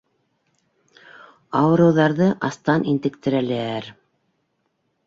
Ауырыуҙарҙы астан интектерәләр!